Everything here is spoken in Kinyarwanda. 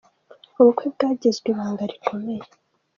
Ubukwe bwagizwe ibanga rikomeye.